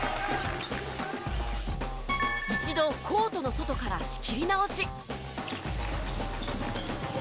一度コートの外から仕切り直し。